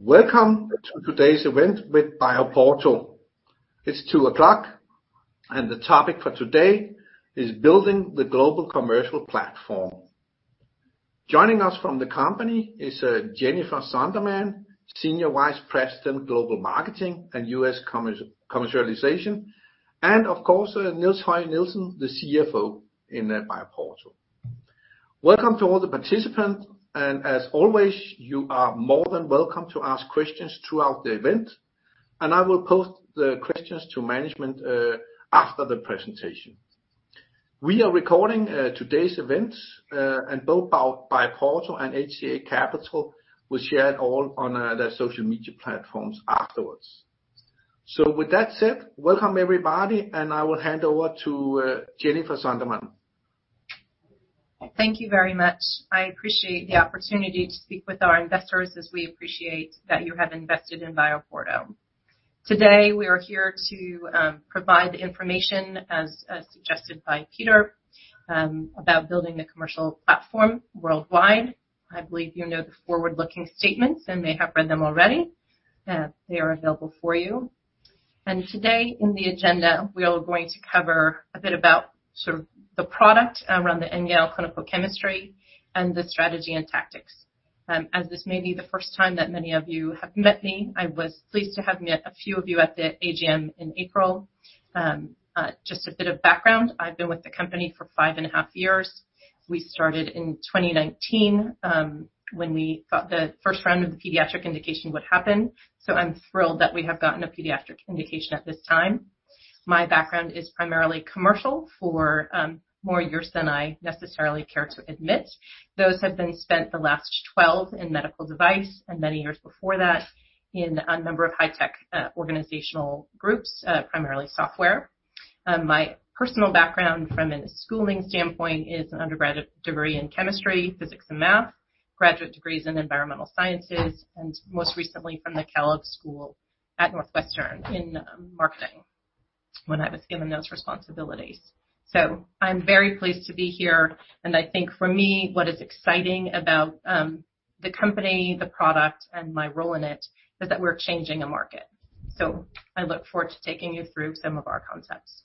Welcome to today's event with BioPorto. It's two o'clock, and the topic for today is Building the Global Commercial Platform. Joining us from the company is Jennifer Sanderman, Senior Vice President, Global Marketing and US Commercialization, and of course, Niels Høgh Nielsen, the CFO in BioPorto. Welcome to all the participants, and as always, you are more than welcome to ask questions throughout the event, and I will post the questions to management after the presentation. We are recording today's event, and both BioPorto and HCA Capital will share it all on their social media platforms afterwards. So with that said, welcome, everybody, and I will hand over to Jennifer Sanderman. Thank you very much. I appreciate the opportunity to speak with our investors, as we appreciate that you have invested in BioPorto. Today, we are here to provide the information, as suggested by Peter, about building the commercial platform worldwide. I believe you know the forward-looking statements, and may have read them already. They are available for you. Today, in the agenda, we are going to cover a bit about sort of the product around the NGAL clinical chemistry and the strategy and tactics. As this may be the first time that many of you have met me, I was pleased to have met a few of you at the AGM in April. Just a bit of background, I've been with the company for five and a half years. We started in 2019, when we thought the first round of the pediatric indication would happen, so I'm thrilled that we have gotten a pediatric indication at this time. My background is primarily commercial for more years than I necessarily care to admit. Those have been spent, the last 12, in medical device, and many years before that in a number of high-tech organizational groups, primarily software. My personal background from a schooling standpoint is an undergraduate degree in chemistry, physics and math, graduate degrees in environmental sciences, and most recently from the Kellogg School at Northwestern in marketing, when I was given those responsibilities. So I'm very pleased to be here, and I think for me, what is exciting about the company, the product, and my role in it, is that we're changing a market. I look forward to taking you through some of our concepts.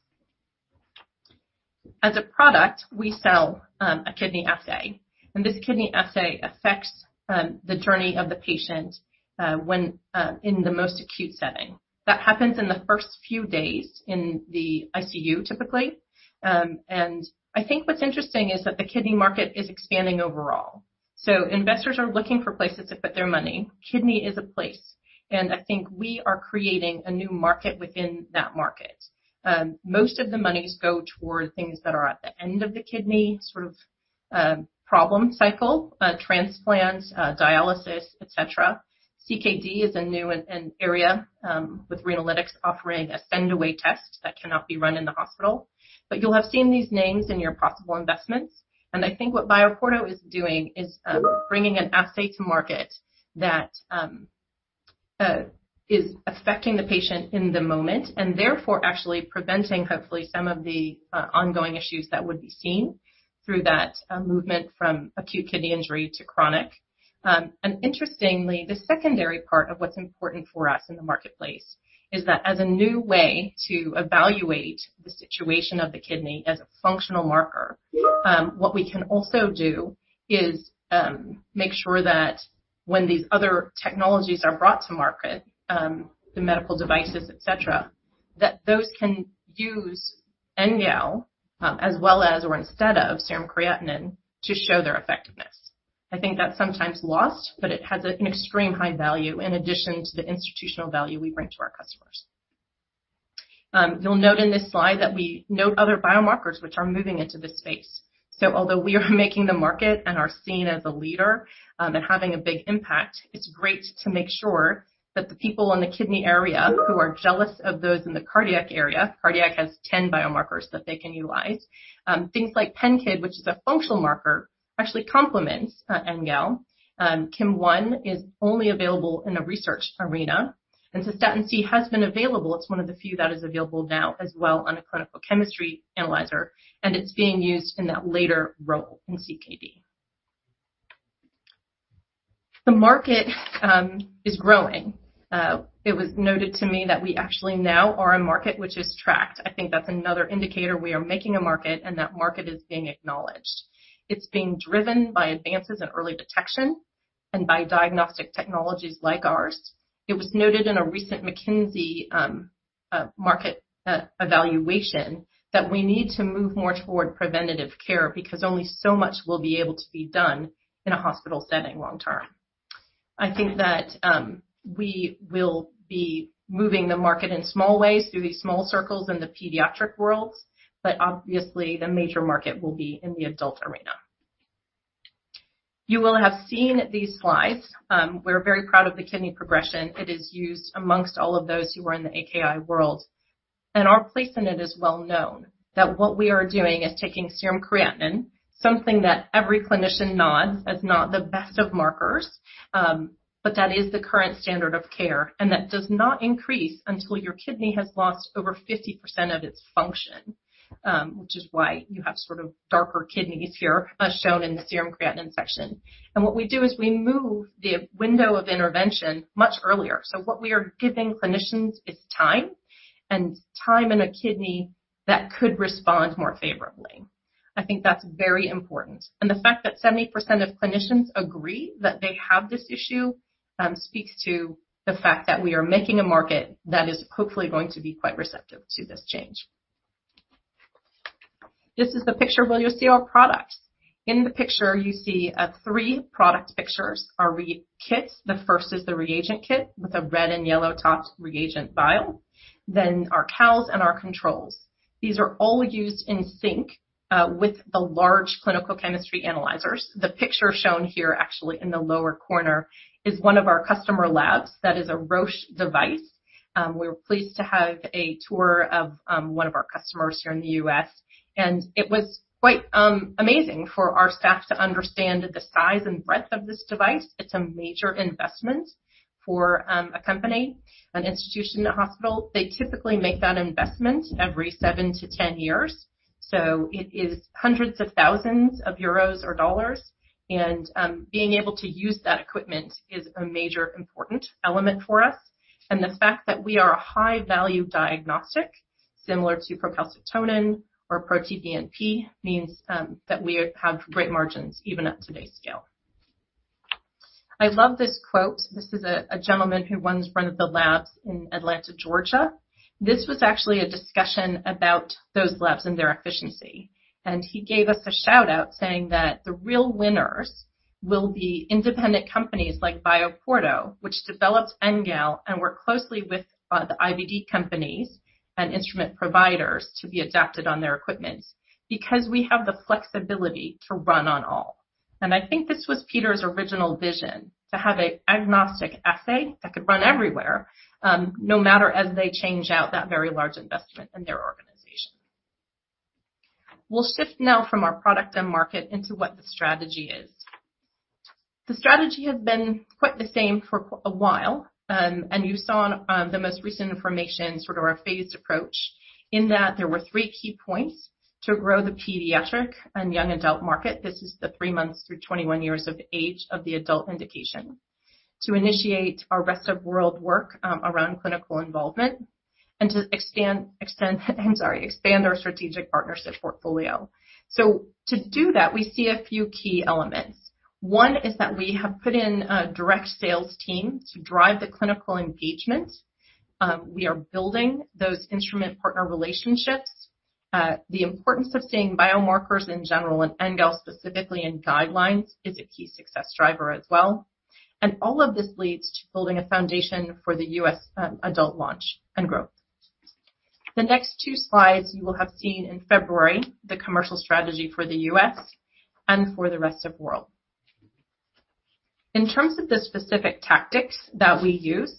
As a product, we sell a kidney assay, and this kidney assay affects the journey of the patient when in the most acute setting. That happens in the first few days in the ICU, typically, and I think what's interesting is that the kidney market is expanding overall, so investors are looking for places to put their money. Kidney is a place, and I think we are creating a new market within that market. Most of the monies go toward things that are at the end of the kidney sort of problem cycle, transplants, dialysis, et cetera. CKD is a new area with Renalytix offering a send-away test that cannot be run in the hospital. But you'll have seen these names in your possible investments, and I think what BioPorto is doing is bringing an assay to market that is affecting the patient in the moment, and therefore actually preventing, hopefully, some of the ongoing issues that would be seen through that movement from acute kidney injury to chronic. Interestingly, the secondary part of what's important for us in the marketplace is that as a new way to evaluate the situation of the kidney as a functional marker, what we can also do is make sure that when these other technologies are brought to market, the medical devices, et cetera, that those can use NGAL as well as, or instead of serum creatinine, to show their effectiveness. I think that's sometimes lost, but it has an extreme high value in addition to the institutional value we bring to our customers. You'll note in this slide that we note other biomarkers which are moving into this space. So although we are making the market and are seen as a leader, and having a big impact, it's great to make sure that the people in the kidney area, who are jealous of those in the cardiac area, cardiac has 10 biomarkers that they can utilize. Things like PenKid, which is a functional marker, actually complements, NGAL. KIM-1 is only available in a research arena, and Cystatin C has been available. It's one of the few that is available now as well on a clinical chemistry analyzer, and it's being used in that later role in CKD. The market is growing. It was noted to me that we actually now are a market which is tracked. I think that's another indicator we are making a market, and that market is being acknowledged. It's being driven by advances in early detection and by diagnostic technologies like ours. It was noted in a recent McKinsey market evaluation, that we need to move more toward preventative care, because only so much will be able to be done in a hospital setting long term. I think that, we will be moving the market in small ways through these small circles in the pediatric worlds, but obviously the major market will be in the adult arena. You will have seen these slides. We're very proud of the kidney progression. It is used amongst all of those who are in the AKI world, and our place in it is well known, that what we are doing is taking serum creatinine something that every clinician nods as not the best of markers, but that is the current standard of care, and that does not increase until your kidney has lost over 50% of its function, which is why you have sort of darker kidneys here, as shown in the serum creatinine section, and what we do is we move the window of intervention much earlier, so what we are giving clinicians is time, and time in a kidney that could respond more favorably. I think that's very important. The fact that 70% of clinicians agree that they have this issue speaks to the fact that we are making a market that is hopefully going to be quite receptive to this change. This is the picture where you'll see our products. In the picture, you see three product pictures, our reagent kits. The first is the reagent kit with a red and yellow-topped reagent vial, then our calibrators and our controls. These are all used in sync with the large clinical chemistry analyzers. The picture shown here, actually in the lower corner, is one of our customer labs. That is a Roche device. We were pleased to have a tour of one of our customers here in the U.S., and it was quite amazing for our staff to understand the size and breadth of this device. It's a major investment for a company, an institution, a hospital. They typically make that investment every seven to 10 years, so it is hundreds of thousands of euros or dollars, and being able to use that equipment is a major important element for us. The fact that we are a high-value diagnostic, similar to procalcitonin or proBNP, means that we have great margins even at today's scale. I love this quote. This is a gentleman who runs one of the labs in Atlanta, Georgia. This was actually a discussion about those labs and their efficiency, and he gave us a shout-out, saying that, "The real winners will be independent companies like BioPorto, which develops NGAL and work closely with the IVD companies and instrument providers to be adapted on their equipment," because we have the flexibility to run on all. I think this was Peter's original vision, to have an agnostic assay that could run everywhere, no matter as they change out that very large investment in their organization. We'll shift now from our product and market into what the strategy is. The strategy has been quite the same for quite a while, and you saw on the most recent information, sort of our phased approach, in that there were three key points: to grow the pediatric and young adult market, this is the three months through 21 years of age of the adult indication, to initiate our rest of world work around clinical involvement, and to expand our strategic partnership portfolio. To do that, we see a few key elements. One is that we have put in a direct sales team to drive the clinical engagement. We are building those instrument partner relationships. The importance of seeing biomarkers in general, and NGAL specifically in guidelines, is a key success driver as well. All of this leads to building a foundation for the U.S. adult launch and growth. The next two slides you will have seen in February: the commercial strategy for the U.S. and for the rest of world. In terms of the specific tactics that we use,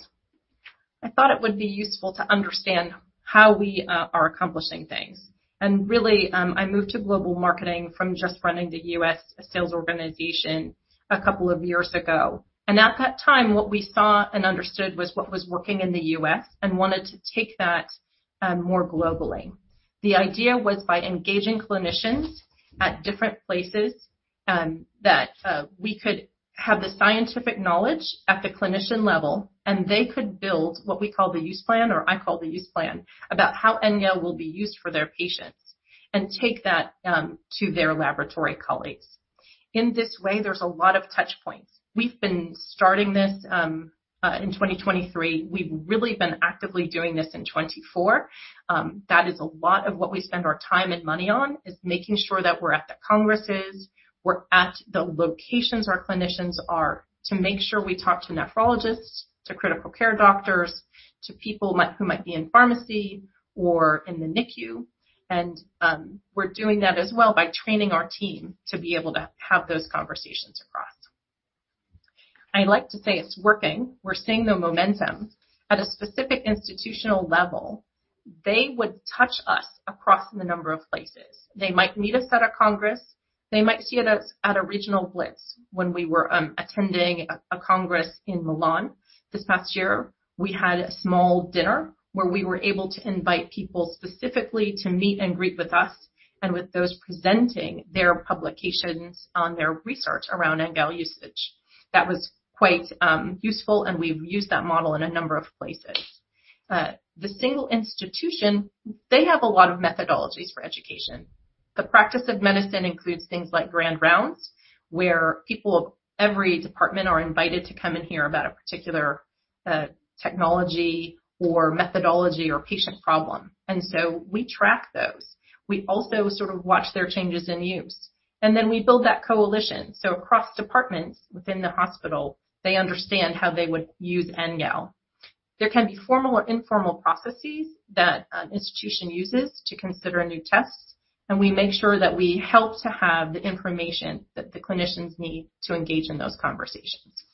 I thought it would be useful to understand how we are accomplishing things. Really, I moved to global marketing from just running the U.S. sales organization a couple of years ago. At that time, what we saw and understood was what was working in the U.S. and wanted to take that more globally. The idea was, by engaging clinicians at different places, that we could have the scientific knowledge at the clinician level, and they could build what we call the use plan, or I call the use plan, about how NGAL will be used for their patients, and take that to their laboratory colleagues. In this way, there's a lot of touch points. We've been starting this in 2023. We've really been actively doing this in 2024. That is a lot of what we spend our time and money on, is making sure that we're at the congresses, we're at the locations our clinicians are, to make sure we talk to nephrologists, to critical care doctors, to people who might be in pharmacy or in the NICU, and we're doing that as well by training our team to be able to have those conversations across. I'd like to say it's working. We're seeing the momentum. At a specific institutional level, they would touch us across the number of places. They might meet us at a congress, they might see us at a regional blitz. When we were attending a congress in Milan this past year, we had a small dinner where we were able to invite people specifically to meet and greet with us and with those presenting their publications on their research around NGAL usage. That was quite useful, and we've used that model in a number of places. The single institution, they have a lot of methodologies for education. The practice of medicine includes things like grand rounds, where people of every department are invited to come and hear about a particular technology or methodology or patient problem, and so we track those. We also sort of watch their changes in use, and then we build that coalition, so across departments within the hospital, they understand how they would use NGAL. There can be formal or informal processes that an institution uses to consider a new test, and we make sure that we help to have the information that the clinicians need to engage in those conversations.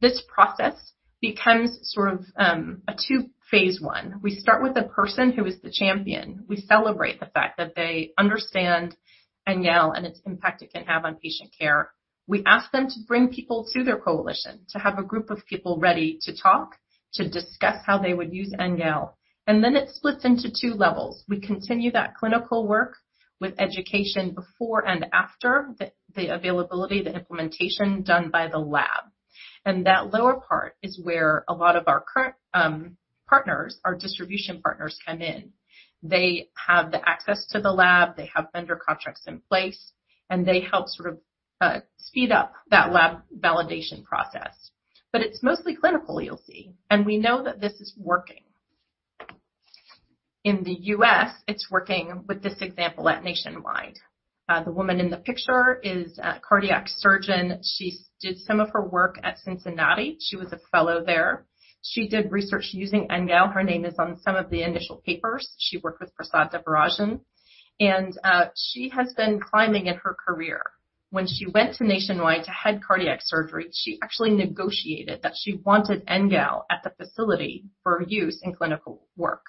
This process becomes sort of a two phase I. We start with the person who is the champion. We celebrate the fact that they understand NGAL and its impact it can have on patient care. We ask them to bring people to their coalition, to have a group of people ready to talk, to discuss how they would use NGAL, and then it splits into two levels. We continue that clinical work with education before and after the availability, the implementation done by the lab and that lower part is where a lot of our partners, our distribution partners, come in. They have the access to the lab, they have vendor contracts in place, and they help sort of speed up that lab validation process. But it's mostly clinical, you'll see, and we know that this is working. In the U.S., it's working with this example at Nationwide. The woman in the picture is a cardiac surgeon. She did some of her work at Cincinnati. She was a fellow there. She did research using NGAL. Her name is on some of the initial papers. She worked with Prasad Devarajan, and she has been climbing in her career. When she went to Nationwide to head cardiac surgery, she actually negotiated that she wanted NGAL at the facility for use in clinical work.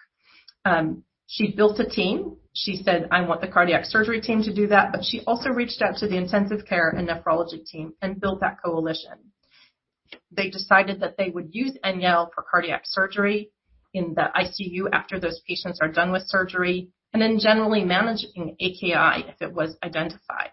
She built a team. She said: "I want the cardiac surgery team to do that," but she also reached out to the intensive care and nephrology team and built that coalition. They decided that they would use NGAL for cardiac surgery in the ICU after those patients are done with surgery, and then generally managing AKI if it was identified.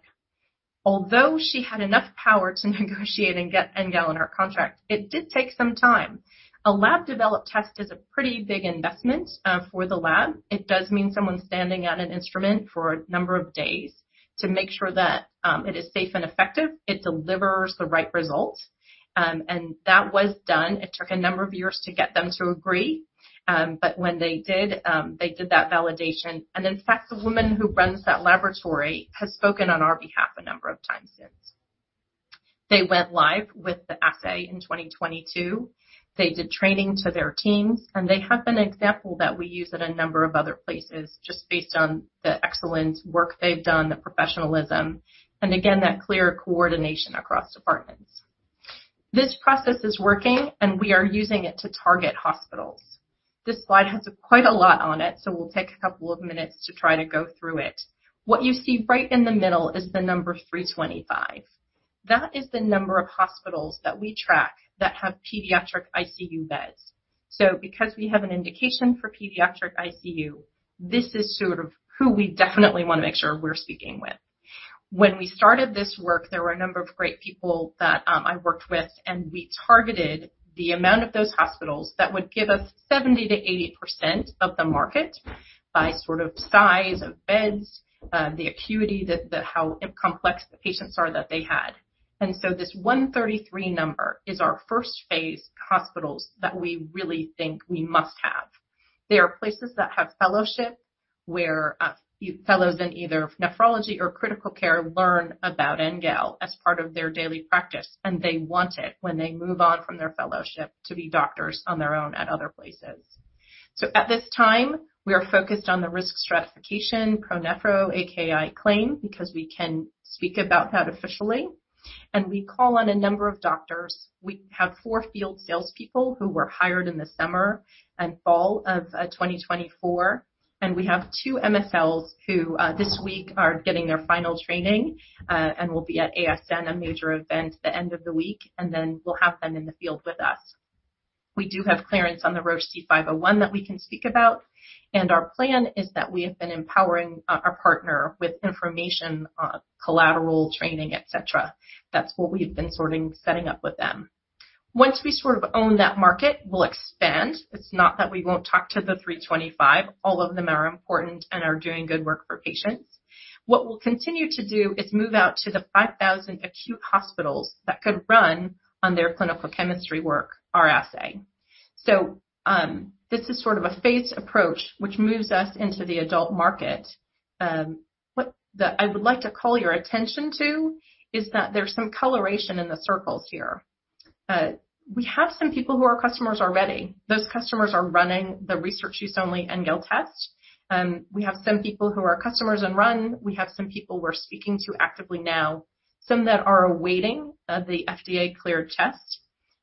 Although she had enough power to negotiate and get NGAL in her contract, it did take some time. A lab-developed test is a pretty big investment, for the lab. It does mean someone standing at an instrument for a number of days to make sure that, it is safe and effective, it delivers the right results, and that was done. It took a number of years to get them to agree, but when they did, they did that validation. In fact, the woman who runs that laboratory has spoken on our behalf a number of times since. They went live with the assay in 2022. They did training to their teams, and they have been an example that we use at a number of other places, just based on the excellent work they've done, the professionalism, and again, that clear coordination across departments. This process is working, and we are using it to target hospitals. This slide has quite a lot on it, so we'll take a couple of minutes to try to go through it. What you see right in the middle is the number 325. That is the number of hospitals that we track that have pediatric ICU beds. So because we have an indication for pediatric ICU, this is sort of who we definitely want to make sure we're speaking with. When we started this work, there were a number of great people that I worked with, and we targeted the amount of those hospitals that would give us 70%-80% of the market by sort of size of beds, the acuity, how complex the patients are that they had. So this 133 number is our first phase hospitals that we really think we must have. They are places that have fellowship, where fellows in either nephrology or critical care learn about NGAL as part of their daily practice, and they want it when they move on from their fellowship to be doctors on their own at other places. So at this time, we are focused on the risk stratification, ProNephro AKI claim, because we can speak about that officially. We call on a number of doctors. We have four field salespeople who were hired in the summer and fall of 2024, and we have two MSLs who this week are getting their final training and will be at ASN, a major event, the end of the week, and then we'll have them in the field with us. We do have clearance on the Roche c 501 that we can speak about, and our plan is that we have been empowering our partner with information, collateral training, et cetera. That's what we've been sorting, setting up with them. Once we sort of own that market, we'll expand. It's not that we won't talk to the 325. All of them are important and are doing good work for patients. What we'll continue to do is move out to the 5,000 acute hospitals that could run on their clinical chemistry work, our assay. This is sort of a phased approach, which moves us into the adult market. What I would like to call your attention to is that there's some coloration in the circles here. We have some people who are customers already. Those customers are running the research use only NGAL test. We have some people who are customers and run. We have some people we're speaking to actively now, some that are awaiting the FDA-cleared test,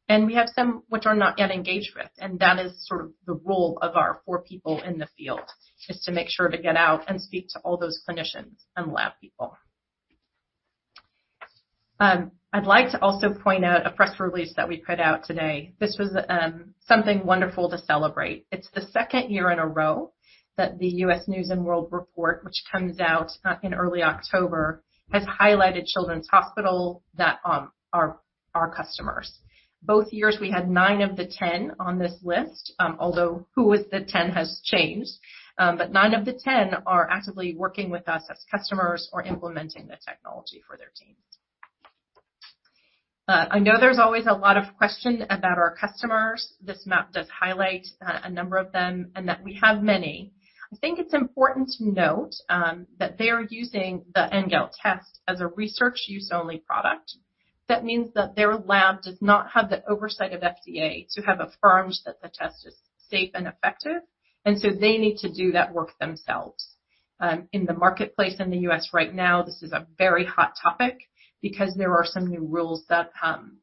and we have some which are not yet engaged with, and that is sort of the role of our four people in the field, is to make sure to get out and speak to all those clinicians and lab people. I'd like to also point out a press release that we put out today. This was something wonderful to celebrate. It's the second year in a row that the U.S. News & World Report, which comes out in early October, has highlighted children's hospital that are our customers. Both years, we had nine of the 10 on this list, although who was the 10 has changed, but nine of the 10 are actively working with us as customers or implementing the technology for their teams. I know there's always a lot of question about our customers. This map does highlight a number of them, and that we have many. I think it's important to note that they are using the NGAL test as a research use only product. That means that their lab does not have the oversight of FDA to have affirmed that the test is safe and effective, and so they need to do that work themselves. In the marketplace in the U.S. right now, this is a very hot topic because there are some new rules that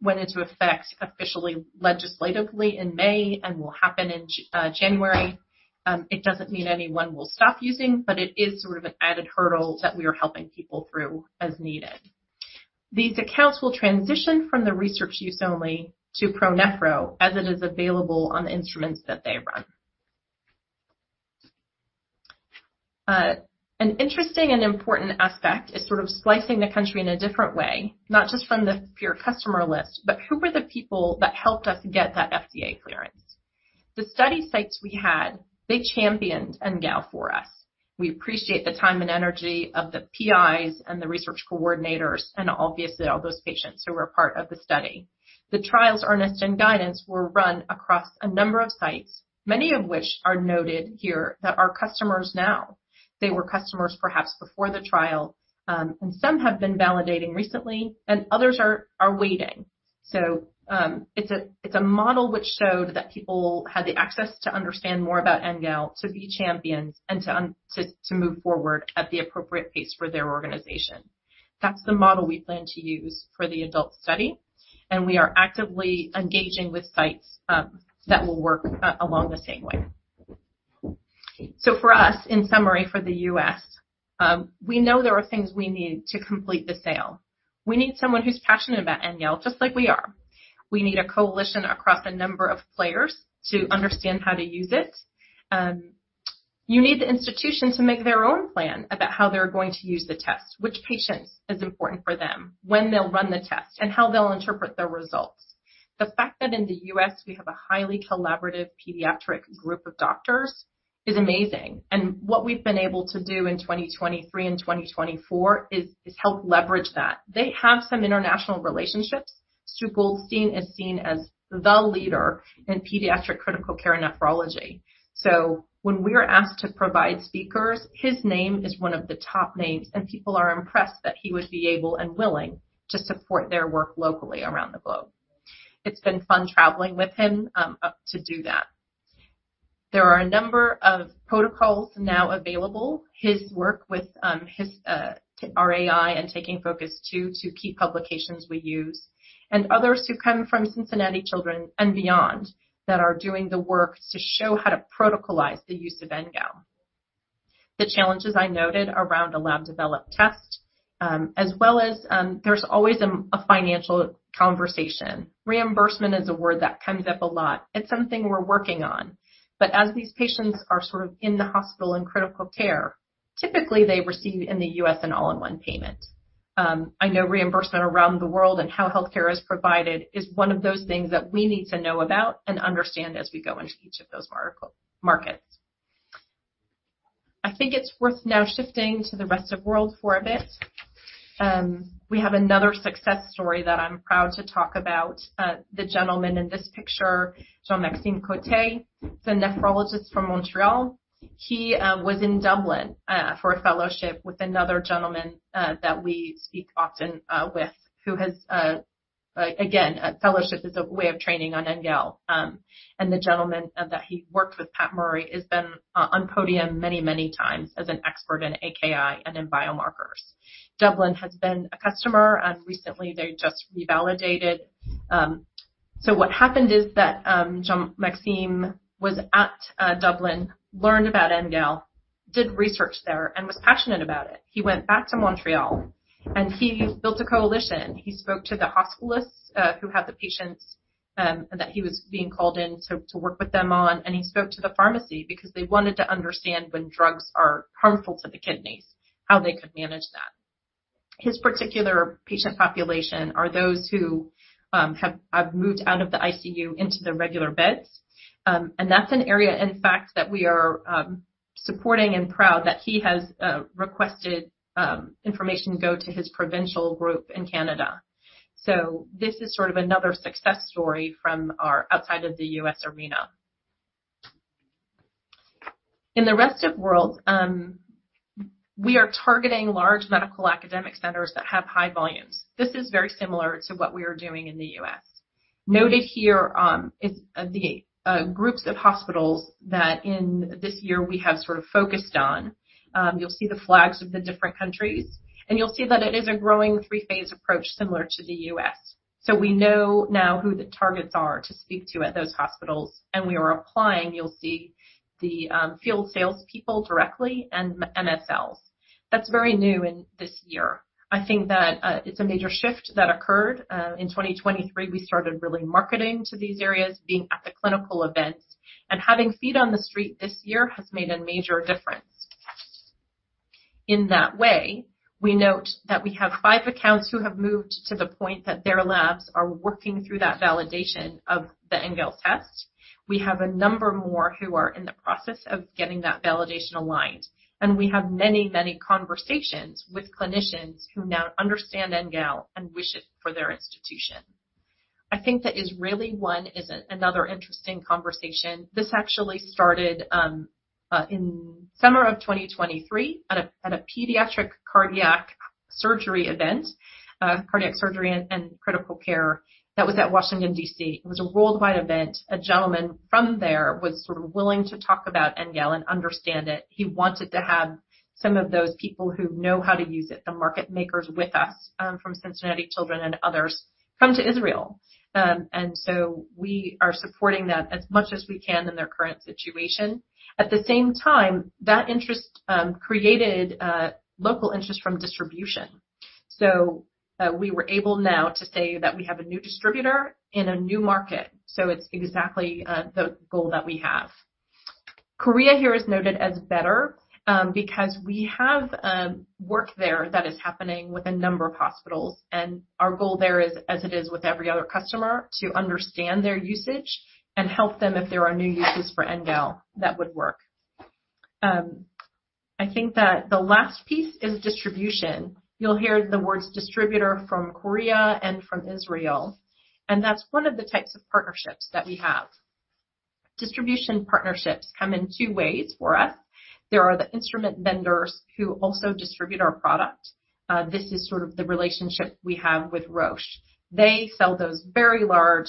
went into effect officially, legislatively, in May and will happen in January. It doesn't mean anyone will stop using, but it is sort of an added hurdle that we are helping people through as needed. These accounts will transition from the research use only to ProNephro, as it is available on the instruments that they run. An interesting and important aspect is sort of slicing the country in a different way, not just from the pure customer list, but who were the people that helped us get that FDA clearance? The study sites we had, they championed NGAL for us. We appreciate the time and energy of the PIs and the research coordinators, and obviously, all those patients who were part of the study. The trials, earnest and guidance, were run across a number of sites, many of which are noted here that are customers now. They were customers perhaps before the trial, and some have been validating recently, and others are waiting. So, it's a model which showed that people had the access to understand more about NGAL, to be champions, and to move forward at the appropriate pace for their organization. That's the model we plan to use for the adult study, and we are actively engaging with sites that will work along the same way. So for us, in summary, for the U.S., we know there are things we need to complete the sale. We need someone who's passionate about NGAL, just like we are. We need a coalition across a number of players to understand how to use it. You need the institution to make their own plan about how they're going to use the test, which patients is important for them, when they'll run the test, and how they'll interpret their results. The fact that in the U.S., we have a highly collaborative pediatric group of doctors is amazing, and what we've been able to do in 2023 and 2024 is help leverage that. They have some international relationships. Stu Goldstein is seen as the leader in pediatric critical care nephrology. So when we are asked to provide speakers, his name is one of the top names, and people are impressed that he would be able and willing to support their work locally around the globe. It's been fun traveling with him to do that. There are a number of protocols now available. His work with his RAI and TAKING FOCUS 2 to key publications we use, and others who come from Cincinnati Children and beyond, that are doing the work to show how to protocolize the use of NGAL. The challenges I noted around a lab developed test, as well as there's always a financial conversation. Reimbursement is a word that comes up a lot. It's something we're working on. But as these patients are sort of in the hospital in critical care, typically they receive, in the U.S., an all-in-one payment. I know reimbursement around the world and how healthcare is provided is one of those things that we need to know about and understand as we go into each of those markets. I think it's worth now shifting to the rest of world for a bit. We have another success story that I'm proud to talk about. The gentleman in this picture, Jean-Maxime Côté, is a nephrologist from Montreal. He was in Dublin for a fellowship with another gentleman that we speak often with, who has a... Again, a fellowship is a way of training on NGAL. And the gentleman that he worked with, Pat Murray, has been on podium many, many times as an expert in AKI and in biomarkers. Dublin has been a customer, and recently they just revalidated. So what happened is that Jean-Maxime was at Dublin, learned about NGAL, did research there, and was passionate about it. He went back to Montreal, and he built a coalition. He spoke to the hospitalists who had the patients, and that he was being called in to work with them on, and he spoke to the pharmacy because they wanted to understand when drugs are harmful to the kidneys, how they could manage that. His particular patient population are those who have moved out of the ICU into the regular beds, and that's an area, in fact, that we are supporting and proud that he has requested information go to his provincial group in Canada, so this is sort of another success story from our outside of the U.S. arena. In the rest of world, we are targeting large medical academic centers that have high volumes. This is very similar to what we are doing in the U.S. Noted here is the groups of hospitals that in this year we have sort of focused on. You'll see the flags of the different countries, and you'll see that it is a growing three-phase approach similar to the U.S. So we know now who the targets are to speak to at those hospitals, and we are applying. You'll see the field salespeople directly and MSLs. That's very new in this year. I think that it's a major shift that occurred. In 2023, we started really marketing to these areas, being at the clinical events, and having feet on the street this year has made a major difference. In that way, we note that we have five accounts who have moved to the point that their labs are working through that validation of the NGAL test. We have a number more who are in the process of getting that validation aligned, and we have many, many conversations with clinicians who now understand NGAL and wish it for their institution. I think that Israeli One is another interesting conversation. This actually started in summer of 2023 at a pediatric cardiac surgery event, cardiac surgery and critical care. That was at Washington, D.C. It was a worldwide event. A gentleman from there was sort of willing to talk about NGAL and understand it. He wanted to have some of those people who know how to use it, the market makers with us from Cincinnati Children and others, come to Israel. And so we are supporting that as much as we can in their current situation. At the same time, that interest created local interest from distribution. So, we were able now to say that we have a new distributor in a new market, so it's exactly the goal that we have. Korea here is noted as better, because we have work there that is happening with a number of hospitals, and our goal there is, as it is with every other customer, to understand their usage and help them if there are new uses for NGAL that would work. I think that the last piece is distribution. You'll hear the words distributor from Korea and from Israel, and that's one of the types of partnerships that we have. Distribution partnerships come in two ways for us. There are the instrument vendors who also distribute our product. This is sort of the relationship we have with Roche. They sell those very large,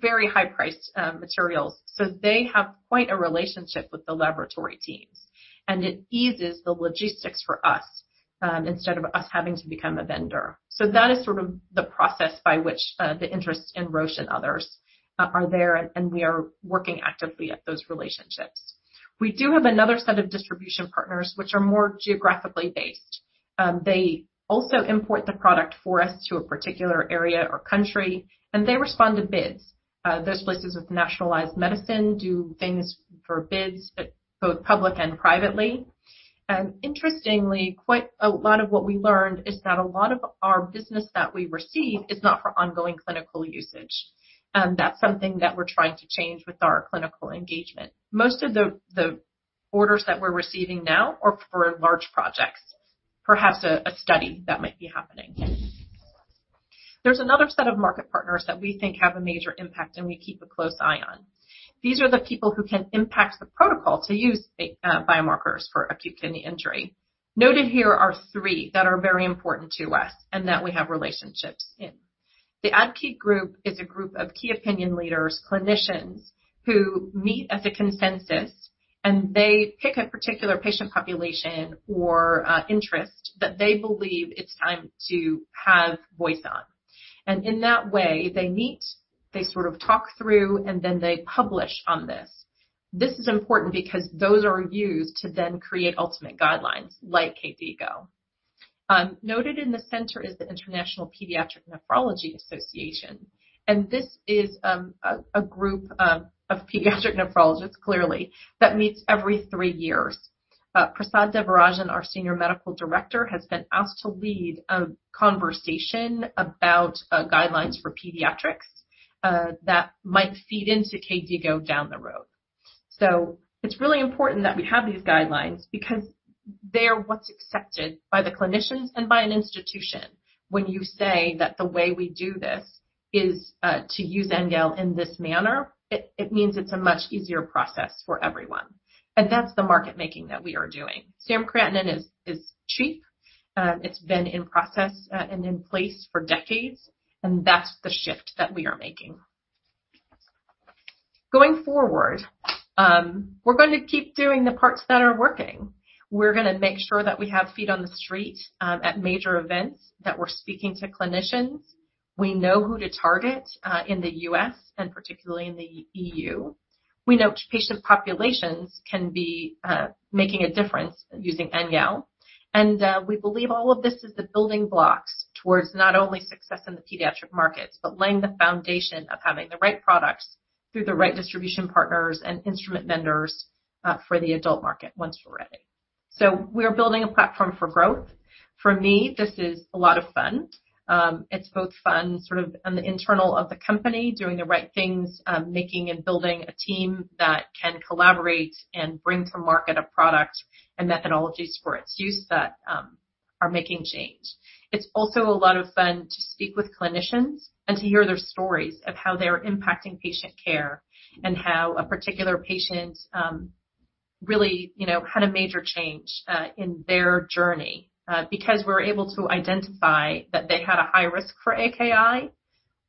very high-priced, materials, so they have quite a relationship with the laboratory teams, and it eases the logistics for us, instead of us having to become a vendor. So that is sort of the process by which the interest in Roche and others are there, and we are working actively at those relationships. We do have another set of distribution partners, which are more geographically based. They also import the product for us to a particular area or country, and they respond to bids. Those places with nationalized medicine do things for bids, but both public and privately. Interestingly, quite a lot of what we learned is that a lot of our business that we receive is not for ongoing clinical usage, and that's something that we're trying to change with our clinical engagement. Most of the orders that we're receiving now are for large projects, perhaps a study that might be happening. There's another set of market partners that we think have a major impact, and we keep a close eye on. These are the people who can impact the protocol to use biomarkers for acute kidney injury. Noted here are three that are very important to us, and that we have relationships in. The ADPKD group is a group of key opinion leaders, clinicians, who meet at the consensus, and they pick a particular patient population or interest that they believe it's time to have voice on, and in that way, they meet, they sort of talk through, and then they publish on this. This is important because those are used to then create ultimate guidelines like KDIGO. Noted in the center is the International Pediatric Nephrology Association, and this is a group of pediatric nephrologists, clearly, that meets every three years. Prasad Devarajan, our senior medical director, has been asked to lead a conversation about guidelines for pediatrics that might feed into KDIGO down the road. So it's really important that we have these guidelines because they are what's accepted by the clinicians and by an institution. When you say that the way we do this is to use NGAL in this manner, it means it's a much easier process for everyone, and that's the market making that we are doing. Serum creatinine is cheap, it's been in process and in place for decades, and that's the shift that we are making. Going forward, we're going to keep doing the parts that are working. We're gonna make sure that we have feet on the street at major events, that we're speaking to clinicians. We know who to target in the U.S. and particularly in the E.U. We know patient populations can be making a difference using NGAL, and we believe all of this is the building blocks towards not only success in the pediatric markets, but laying the foundation of having the right products through the right distribution partners and instrument vendors for the adult market once we're ready. So we are building a platform for growth. For me, this is a lot of fun. It's both fun sort of on the internal of the company, doing the right things, making and building a team that can collaborate and bring to market a product and methodologies for its use that are making change. It's also a lot of fun to speak with clinicians and to hear their stories of how they're impacting patient care, and how a particular patient, really, you know, had a major change, in their journey. Because we're able to identify that they had a high risk for AKI,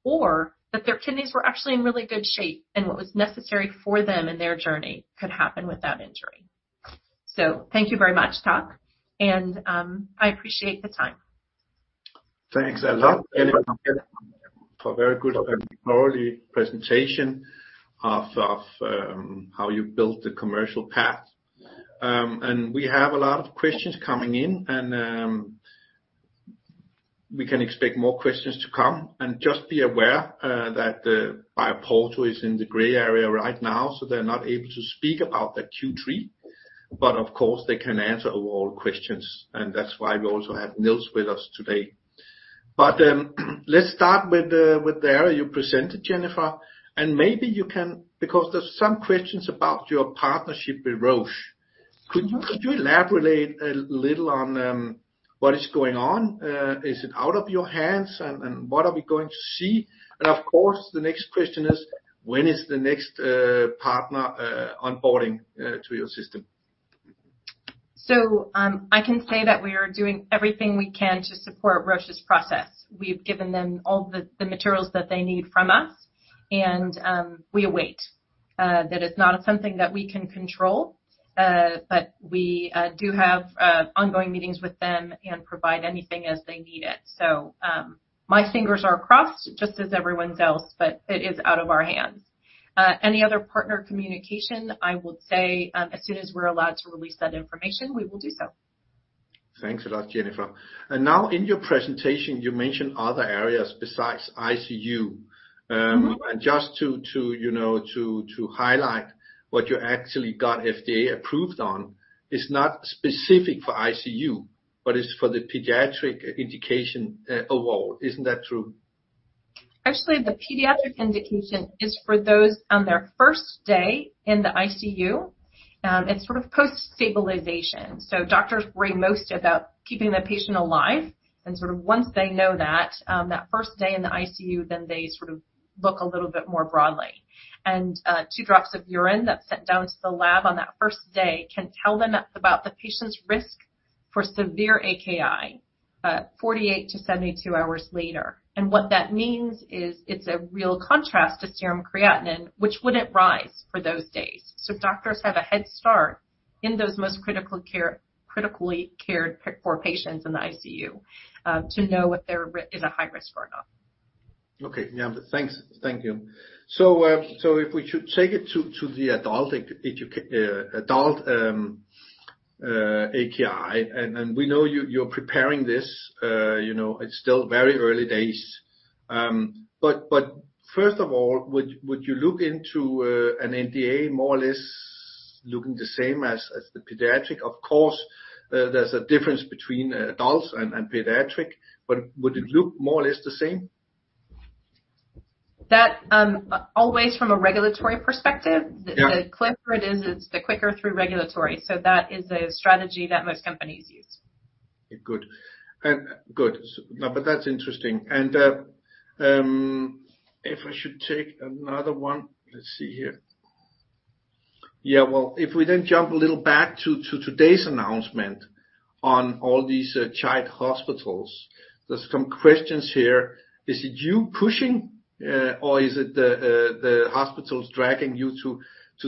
or that their kidneys were actually in really good shape, and what was necessary for them and their journey could happen without injury. So thank you very much, Tuck, and, I appreciate the time. Thanks a lot, Jennifer, for a very good and thorough presentation of how you built the commercial path. And we have a lot of questions coming in, and we can expect more questions to come. And just be aware that BioPorto is in the gray area right now, so they're not able to speak about the Q3, but of course they can answer all questions, and that's why we also have Niels with us today. But let's start with the area you presented, Jennifer. And maybe you can, because there's some questions about your partnership with Roche. Could you elaborate a little on what is going on? Is it out of your hands, and what are we going to see? Of course, the next question is: When is the next partner onboarding to your system? So, I can say that we are doing everything we can to support Roche's process. We've given them all the materials that they need from us, and we await. That is not something that we can control, but we do have ongoing meetings with them and provide anything as they need it. So, my fingers are crossed, just as everyone else's, but it is out of our hands. Any other partner communication, I would say, as soon as we're allowed to release that information, we will do so. Thanks a lot, Jennifer. And now, in your presentation, you mentioned other areas besides ICU. Just to, you know, highlight what you actually got FDA approved on is not specific for ICU, but it's for the pediatric indication overall. Isn't that true? Actually, the pediatric indication is for those on their first day in the ICU. It's sort of post-stabilization. So doctors worry most about keeping the patient alive, and sort of once they know that first day in the ICU, then they sort of look a little bit more broadly. And two drops of urine that's sent down to the lab on that first day can tell them about the patient's risk for severe AKI 48-72 hours later. And what that means is it's a real contrast to serum creatinine, which wouldn't rise for those days. So doctors have a head start in those most critically cared for patients in the ICU to know if they're at high risk or not. Okay. Yeah, thanks. Thank you. So, if we should take it to the adult AKI, and we know you're preparing this, you know, it's still very early days. But first of all, would you look into an NDA more or less looking the same as the pediatric? Of course, there's a difference between adults and pediatric, but would it look more or less the same? That, always from a regulatory perspective? Yeah. The quicker it is, it's the quicker through regulatory, so that is a strategy that most companies use. Good. And good. Now, but that's interesting. And, if I should take another one. Let's see here. Yeah, well, if we then jump a little back to today's announcement on all these children's hospitals, there's some questions here. Is it you pushing, or is it the hospitals dragging you to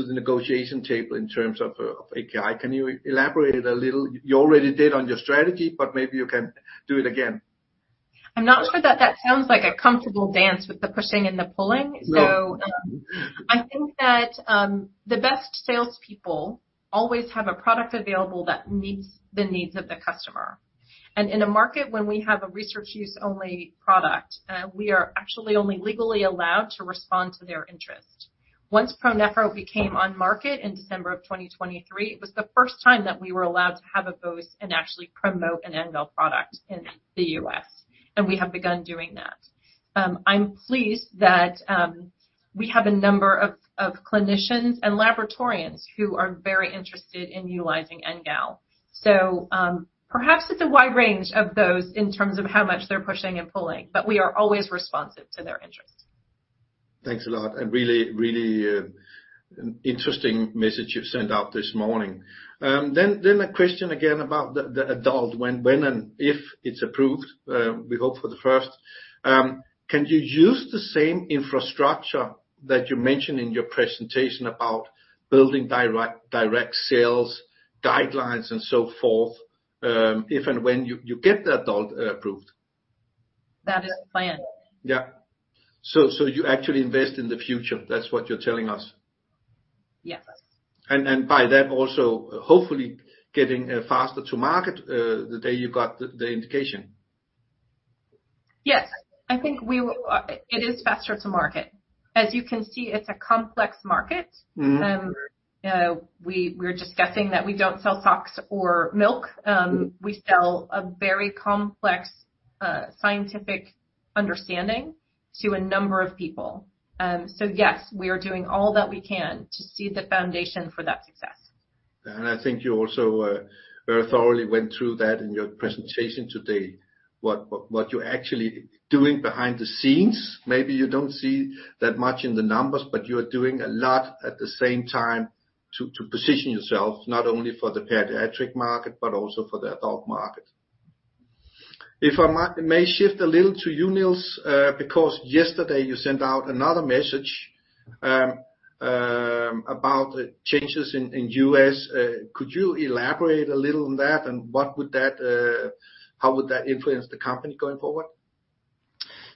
the negotiation table in terms of AKI? Can you elaborate a little? You already did on your strategy, but maybe you can do it again. I'm not sure that that sounds like a comfortable dance with the pushing and the pulling. No. So I think that, the best salespeople always have a product available that meets the needs of the customer. And in a market, when we have a research use only product, we are actually only legally allowed to respond to their interest. Once ProNephro became on market in December of 2023, it was the first time that we were allowed to have a booth and actually promote an NGAL product in the U.S., and we have begun doing that. I'm pleased that, we have a number of clinicians and laboratorians who are very interested in utilizing NGAL. So, perhaps it's a wide range of those in terms of how much they're pushing and pulling, but we are always responsive to their interests. Thanks a lot, and really, really, an interesting message you've sent out this morning, then a question again about the adult. When and if it's approved, we hope for the first, can you use the same infrastructure that you mentioned in your presentation about building direct sales guidelines and so forth, if and when you get the adult approved? That is the plan. Yeah. So, so you actually invest in the future, that's what you're telling us? Yes. And by that also, hopefully, getting faster to market the day you got the indication. Yes. I think we will. It is faster to market. As you can see, it's a complex market and we're just guessing that we don't sell socks or milk. We sell a very complex scientific understanding to a number of people, so yes, we are doing all that we can to seed the foundation for that success. I think you also very thoroughly went through that in your presentation today. What you're actually doing behind the scenes, maybe you don't see that much in the numbers, but you are doing a lot at the same time to position yourself, not only for the pediatric market, but also for the adult market. If I may shift a little to you, Niels, because yesterday you sent out another message about the changes in U.S. Could you elaborate a little on that, and what would that, how would that influence the company going forward?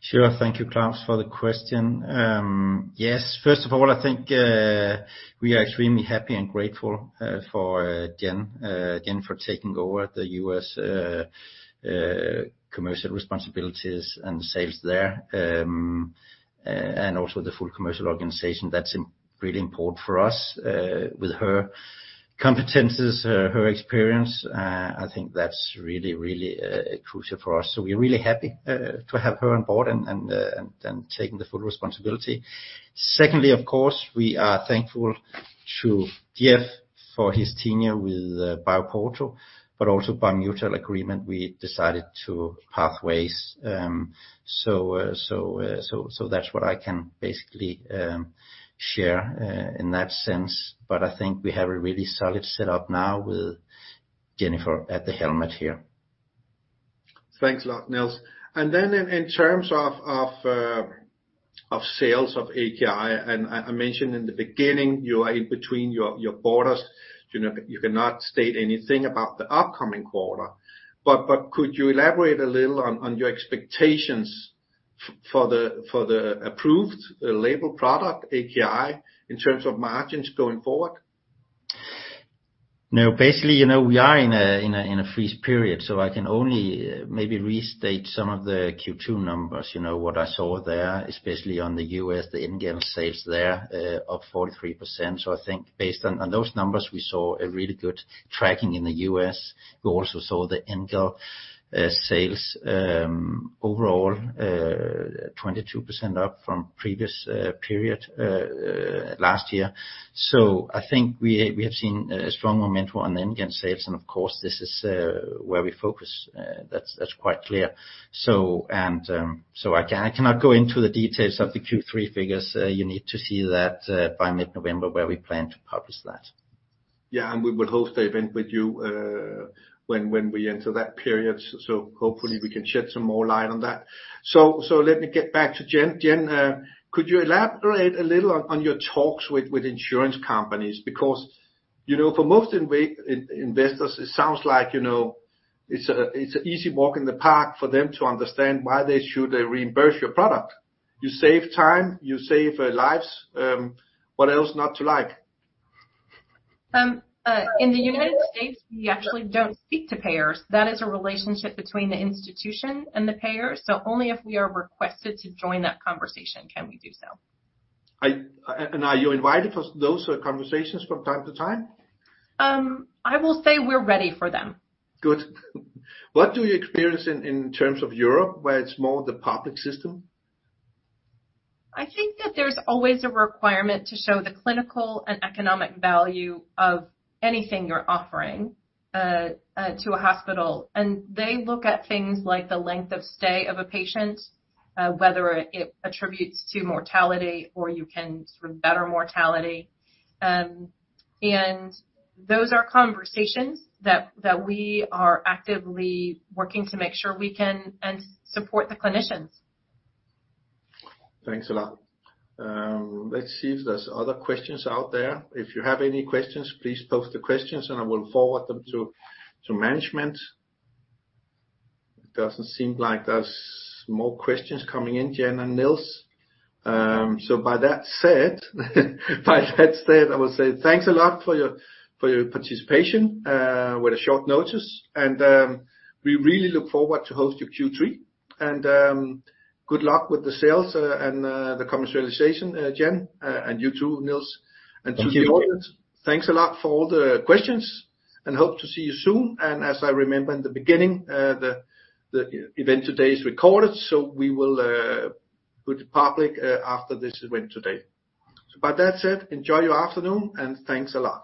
Sure. Thank you, Claus, for the question. Yes, first of all, I think we are extremely happy and grateful for Jen for taking over the U.S. commercial responsibilities and sales there. And also the full commercial organization. That's really important for us with her competencies, her experience. I think that's really, really crucial for us. So we're really happy to have her on board and taking the full responsibility. Secondly, of course, we are thankful to Jeff for his tenure with BioPorto, but also by mutual agreement, we decided to part ways. So that's what I can basically share in that sense. But I think we have a really solid setup now with Jennifer at the helm here. Thanks a lot, Niels. Then in terms of sales of AKI, and I mentioned in the beginning, you are in between your borders. You know, you cannot state anything about the upcoming quarter, but could you elaborate a little on your expectations for the approved label product, AKI, in terms of margins going forward? No, basically, you know, we are in a freeze period, so I can only maybe restate some of the Q2 numbers. You know, what I saw there, especially on the U.S., the NGAL sales there, up 43%. So I think based on those numbers, we saw a really good tracking in the U.S. We also saw the NGAL sales overall 22% up from previous period last year. So I think we have seen a strong momentum on the NGAL sales, and of course, this is where we focus. That's quite clear. So I cannot go into the details of the Q3 figures. You need to see that by mid-November, where we plan to publish that. Yeah, and we will host the event with you when we enter that period, so hopefully we can shed some more light on that. So let me get back to Jen. Jen, could you elaborate a little on your talks with insurance companies? Because, you know, for most investors, it sounds like, you know, it's an easy walk in the park for them to understand why they should reimburse your product. You save time, you save lives. What else not to like? In the United States, we actually don't speak to payers. That is a relationship between the institution and the payers, so only if we are requested to join that conversation can we do so. And are you invited for those conversations from time to time? I will say we're ready for them. Good. What do you experience in terms of Europe, where it's more the public system? I think that there's always a requirement to show the clinical and economic value of anything you're offering to a hospital. And they look at things like the length of stay of a patient, whether it attributes to mortality or you can sort of better mortality. And those are conversations that we are actively working to make sure we can, and support the clinicians. Thanks a lot. Let's see if there's other questions out there. If you have any questions, please post the questions, and I will forward them to management. It doesn't seem like there's more questions coming in, Jen and Niels. So by that said, I will say thanks a lot for your participation with a short notice, and we really look forward to host you Q3. Good luck with the sales and the commercialization, Jen, and you too, Niels. Thank you. And to the audience, thanks a lot for all the questions, and hope to see you soon. And as I remember in the beginning, the event today is recorded, so we will put it public after this event today. So by that said, enjoy your afternoon, and thanks a lot.